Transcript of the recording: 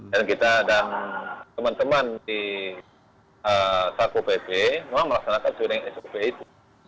dan kita dan teman teman di saku pp memang melaksanakan sesuatu yang sop itu